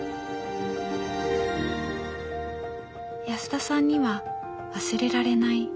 安田さんには忘れられない